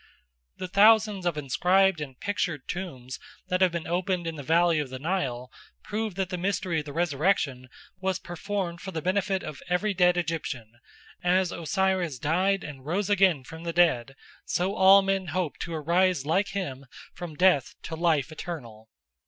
The thousands of inscribed and pictured tombs that have been opened in the valley of the Nile prove that the mystery of the resurrection was performed for the benefit of every dead Egyptian; as Osiris died and rose again from the dead, so all men hoped to arise like him from death to life eternal.